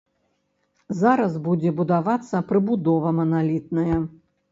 Зараз будзе будавацца прыбудова маналітная.